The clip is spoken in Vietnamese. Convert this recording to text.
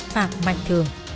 phạm mạnh thường